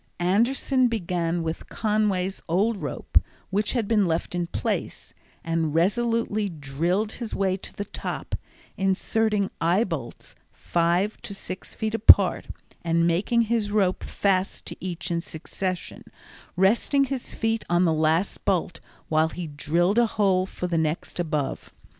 Anderson began with Conway's old rope, which had been left in place, and resolutely drilled his way to the top, inserting eye bolts five to six feet apart, and making his rope fast to each in succession, resting his feet on the last bolt while he drilled a hole for the next above.